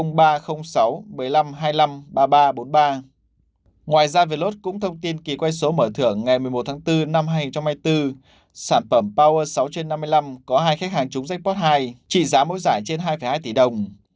ngoài ra vilot cũng thông tin kỳ quay số mở thưởng ngày một mươi một tháng bốn năm hai nghìn hai mươi bốn sản phẩm power sáu trên năm mươi năm có hai khách hàng trúng jac pot hai trị giá mỗi giải trên hai hai tỷ đồng